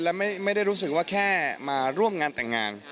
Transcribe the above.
และไม่ได้รู้สึกว่าแค่มาร่วมงานแต่งงาน